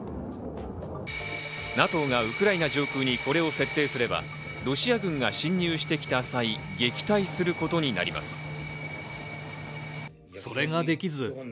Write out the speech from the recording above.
ＮＡＴＯがウクライナ上空にこれを設定すれば、ロシア軍が侵入してきた際、撃退することになります。